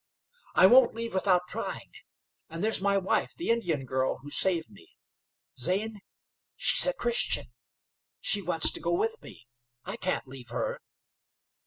"I won't leave without trying. And there's my wife, the Indian girl who saved me. Zane, she's a Christian. She wants to go with me. I can't leave her."